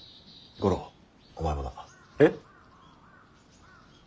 五郎お前もだ。えっ？